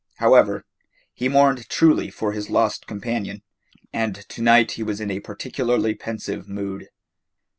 However, he mourned truly for his lost companion, and to night he was in a particularly pensive mood.